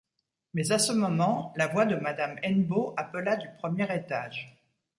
Mais, à ce moment, la voix de madame Hennebeau appela, du premier étage.